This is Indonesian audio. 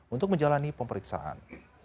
untuk menjalani pemeriksaan